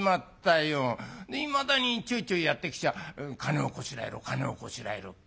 いまだにちょいちょいやって来ちゃ金をこしらえろ金をこしらえろって。